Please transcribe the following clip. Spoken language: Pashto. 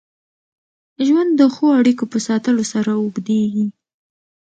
ژوند د ښو اړیکو په ساتلو سره اوږدېږي.